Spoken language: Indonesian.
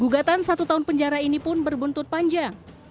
gugatan satu tahun penjara ini pun berbuntut panjang